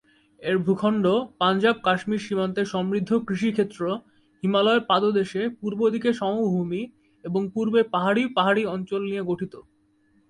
এর ভূখণ্ড পাঞ্জাব/কাশ্মীর সীমান্তে সমৃদ্ধ কৃষিক্ষেত্র, হিমালয়ের পাদদেশে পূর্ব দিকে সমভূমি এবং পূর্বে পাহাড়ি পাহাড়ি অঞ্চল নিয়ে গঠিত।